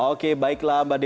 oke baiklah mbak dity